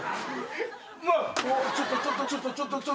ちょっとちょっとちょっとちょっと。